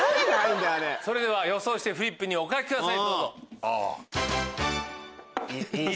それでは予想してフリップにお書きください。